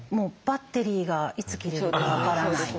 バッテリーがいつ切れるか分からない。